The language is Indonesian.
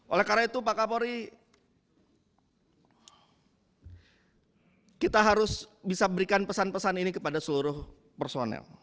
oleh karena itu pak kapolri kita harus bisa berikan pesan pesan ini kepada seluruh personel